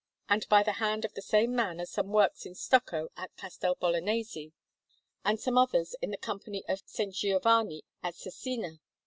And by the hand of the same man are some works in stucco at Castel Bolognese, and some others in the Company of S. Giovanni at Cesena.